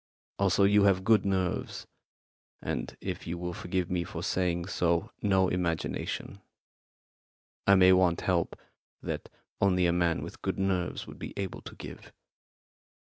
Also, you have good nerves, and, if you will forgive me for saying so, no imagination. I may want help that only a man with good nerves would be able to give."